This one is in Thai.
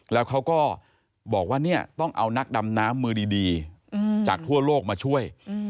แล้วเขาก็บอกว่าเนี่ยต้องเอานักดำน้ำมือดีจากทั่วโลกมาช่วย